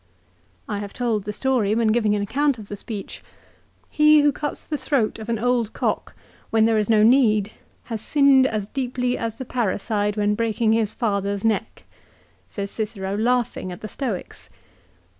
I have told the story when giving an account of the speech. "He who cuts the throat of an old cock when there is no need has sinned as deeply as the parricide when breaking his father's neck," l says Cicero laughing at the Stoics.